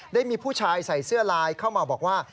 ได้มีผู้ชายใส่เสื้อลายเข้ามาบอกว่า